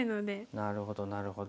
なるほどなるほど。